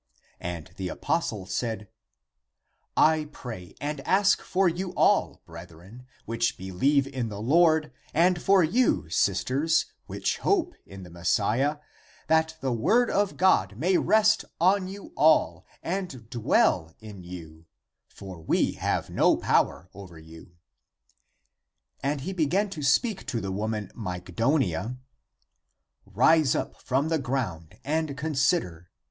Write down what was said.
And the apostle said, " I pray and ask for you all, brethren, which believe in the Lord, and for you, sisters, which hope in the Messiah, that the word of God may rest on you all and dwell in you ; for we have no power over you." And he began to speak to the woman Mygdonia :" Rise up from the ground and consider.